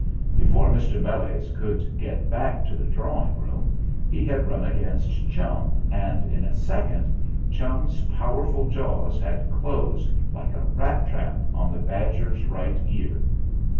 Before Mr. Meles could get back to the drawing room he had run against Chum, and, in a second, Chum's powerful jaws had closed like a rat trap on the badger's right ear.